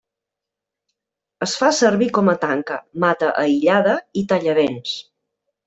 Es fa servir com a tanca, mata aïllada i tallavents.